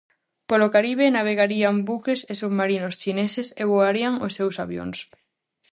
Polo Caribe navegarían buques e submarinos chineses e voarían os seus avións.